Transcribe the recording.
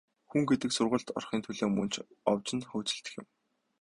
Хүн гэдэг сургуульд орохын төлөө мөн ч овжин хөөцөлдөх юм.